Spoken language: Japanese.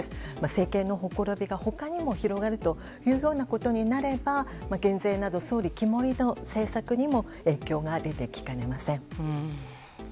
政権ほころびが他にも広がるようなことになれば減税など総理肝煎りの政策にも影響が出てきかねません。